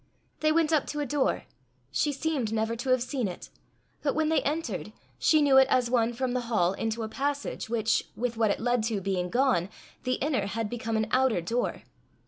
They went up to a door. She seemed never to have seen it; but when they entered, she knew it as one from the hall into a passage, which, with what it led to being gone, the inner had become an outer door.